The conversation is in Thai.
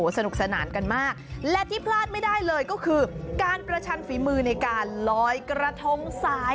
สนุกสนานกันมากและที่พลาดไม่ได้เลยก็คือการประชันฝีมือในการลอยกระทงสาย